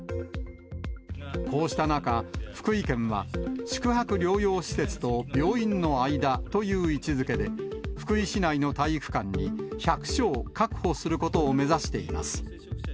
こうした中、福井県は、宿泊療養施設と病院の間という位置づけで、福井市内の体育館に１００床確保することを目指しています。